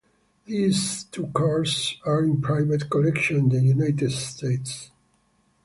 These two cars are in private collections in the United States.